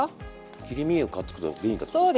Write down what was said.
切り身を買ってくれば便利だってことですか？